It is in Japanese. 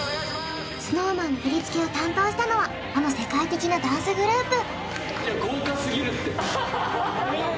ＳｎｏｗＭａｎの振付を担当したのはあの世界的なダンスグループ！